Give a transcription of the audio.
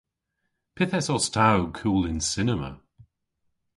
Pyth esos ta ow kul y'n cinema?